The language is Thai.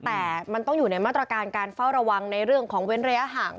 แต่มันต้องอยู่ในมาตรการการเฝ้าระวังในเรื่องของเว้นระยะห่าง